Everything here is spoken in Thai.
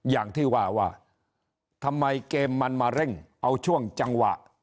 อย่างที่ว่าว่าทำไมเกมมันมาเร่งเอาช่วงจังหวะ